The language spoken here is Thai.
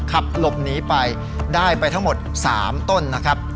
ขับหลบหนีไปได้ไปทั้งหมด๓ต้นนะครับ